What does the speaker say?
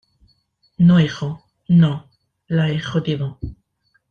no, hijo , no. la he jodido .